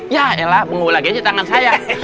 yaelah bengu lagi aja tangan saya